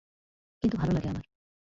কিন্তু ভালো লাগে আমার।